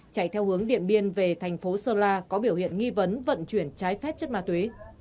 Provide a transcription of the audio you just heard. chạy theo hướng điện biên về thành phố sơn la có biểu hiện nghi vấn vận chuyển trái phép chất ma túy